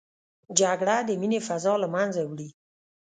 جګړه د مینې فضا له منځه وړي